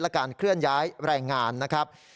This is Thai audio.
และการเคลื่อนย้ายแรงงานนะครับ